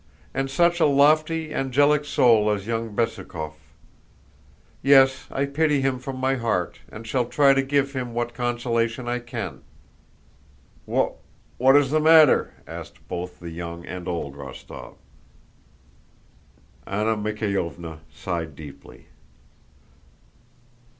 And such a lofty angelic soul as young Bezúkhov! Yes, I pity him from my heart, and shall try to give him what consolation I can." "Wh what is the matter?" asked both the young and old Rostóv. Anna Mikháylovna sighed deeply.